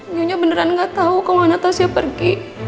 nyonya beneran gak tau kalau natasha pergi